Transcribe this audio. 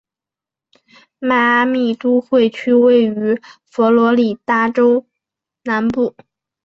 迈阿密都会区位于佛罗里达州南部。